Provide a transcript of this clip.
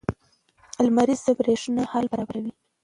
لمریزه برېښنا حل برابروي.